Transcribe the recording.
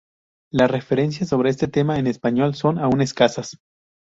Las referencias sobre este tema en español son aún escasas.